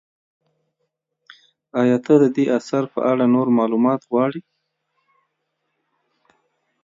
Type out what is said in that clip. ایا ته د دې اثر په اړه نور معلومات غواړې؟